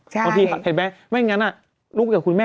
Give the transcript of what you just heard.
เห็นไหมไม่อย่างนั้นลูกกับคุณแม่